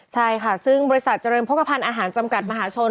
ใช่ค่ะซึ่งบริษัทเจริญโภคภัณฑ์อาหารจำกัดมหาชน